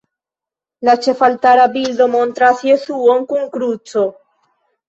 La ĉefaltara bildo montras Jesuon kun kruco.